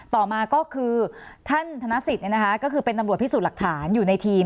ต่อมาก็คือท่านธนสิทธิ์ก็คือเป็นตำรวจพิสูจน์หลักฐานอยู่ในทีม